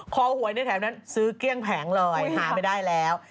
หวยในแถวนั้นซื้อเกลี้ยงแผงเลยหาไม่ได้แล้ว